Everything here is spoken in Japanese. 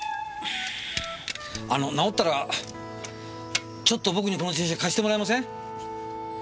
あの直ったらちょっと僕にこの自転車貸してもらえません？